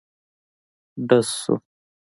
ډز شو.